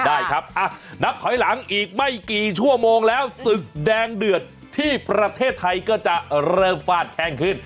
ได้ครับนับถอยหลังอีกไม่กี่ชั่วโมงแล้วศึกแดงเดือดที่ประเทศไทยก็จะเริ่มฟาดแข้งขึ้น